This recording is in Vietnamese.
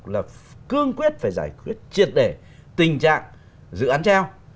là cương quyết phải giải quyết triệt để tình trạng dự án treo